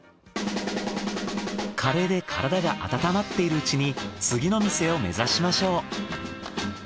カレーで体が温まっているうちに次の店を目指しましょう。